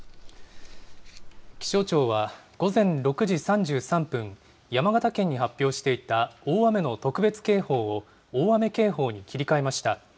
気象庁は、午前６時３３分、山形県に発表していた大雨の特別警報を、大雨警報に切り替えました。